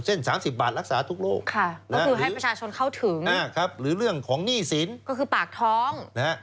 เช่น๓๐บาทรักษาทุกโลกหรือเรื่องของหนี้สินก็คือปากท้อง